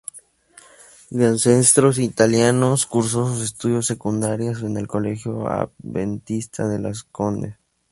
De ancestros italianos, cursó sus estudios secundarios en el Colegio Adventista de Las Condes.